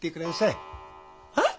えっ？